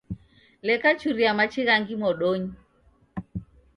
Leka churia machi ghangi modonyi